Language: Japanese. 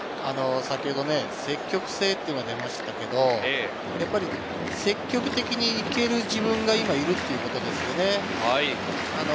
先ほど積極性というのが出ましたけれど、やっぱり積極的にいける自分がいるっていうことですよね。